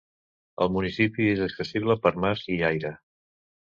El municipi és accessible per mar i aire.